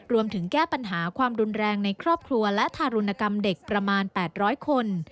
แก้ปัญหาความรุนแรงในครอบครัวและทารุณกรรมเด็กประมาณ๘๐๐คน